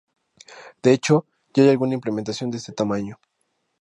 De hecho, ya hay alguna implementación de este tamaño.